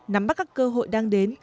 nắm bắt các cơ hội đang đến